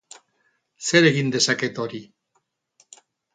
Zer egin dezaket hori?